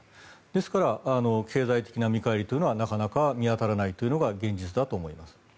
ですから経済的な見返りというのはなかなか見当たらないというのが現実だと思います。